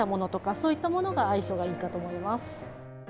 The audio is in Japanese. そういったものが相性がいいかと思います。